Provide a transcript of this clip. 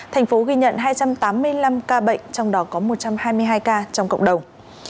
thành phố ghi nhận hai trăm tám mươi năm ca bệnh trong đó có một trăm hai mươi hai ca trong cộng đồng